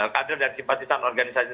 kader dan simpatisan organisasi